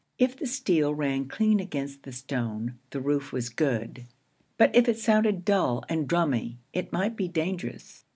If the steel rang clean against the stone, the roof was good; but if it sounded dull and drummy, it might be dangerous.